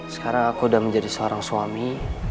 sekarang aku sudah menjadi seorang suami